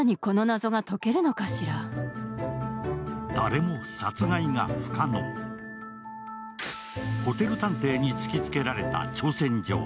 誰も殺害が不可能、ホテル探偵に突きつけられた挑戦状。